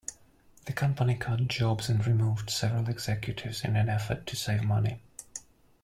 The company cut jobs and removed several executives in an effort to save money.